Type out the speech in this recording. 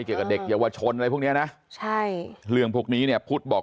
เกี่ยวกับเด็กเยาวชนอะไรพวกนี้นะใช่เรื่องพวกนี้เนี่ยพุทธบอก